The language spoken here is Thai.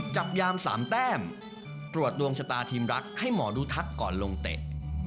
จับยาม๓แต้มตรวจดวงชะตาทีมรักให้หมอดูทักก่อนลงเตะ